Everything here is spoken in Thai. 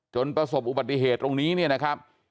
ประสบอุบัติเหตุตรงนี้เนี่ยนะครับ